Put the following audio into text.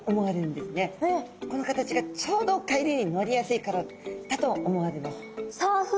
この形がちょうど海流に乗りやすいからだと思われます。